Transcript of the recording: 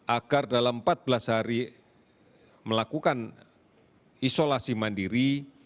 agar dalam empat belas hari melakukan isolasi mandiri